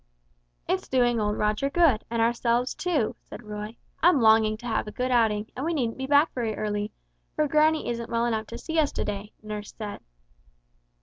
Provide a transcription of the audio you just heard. "It's doing old Roger good, and ourselves too," said Roy; "I'm longing to have a good outing, and we needn't be back very early, for granny isn't well enough to see us to day, nurse said."